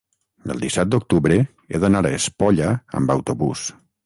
el disset d'octubre he d'anar a Espolla amb autobús.